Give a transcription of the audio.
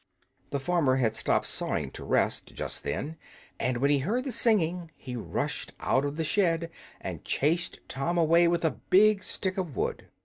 The farmer had stopped sawing to rest, just then; and when he heard the singing he rushed out of the shed, and chased Tom away with a big stick of wood.